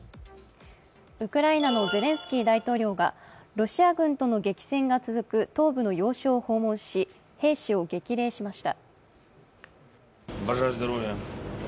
ウクライナのゼレンスキー大統領がロシア軍との激戦が続く東部の要衝を訪問し、兵士を激励しました。